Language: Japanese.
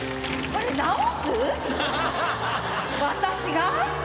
私が？